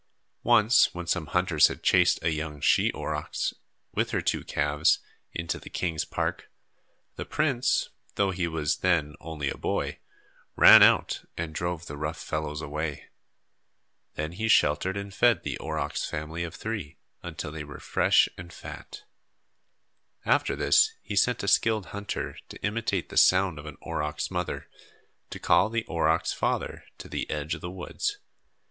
Once when some hunters had chased a young she aurochs, with her two calves, into the king's park, the prince, though he was then only a boy, ran out and drove the rough fellows away. Then he sheltered and fed the aurochs family of three, until they were fresh and fat. After this he sent a skilled hunter to imitate the sound of an aurochs mother, to call the aurochs father to the edge of the woods.